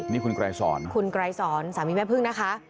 นี่คุณไกรสอนคุณไกรสอนสามีแม่พึ่งนะคะ